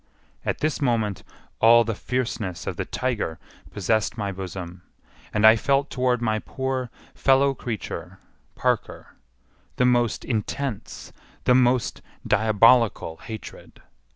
At this moment all the fierceness of the tiger possessed my bosom, and I felt toward my poor fellow creature, Parker, the most intense, the most diabolical hatred.